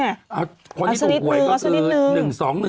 เอาสฤทธิ์หนึ่งเอาสฤทธิ์หนึ่ง